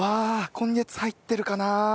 今月入ってるかな？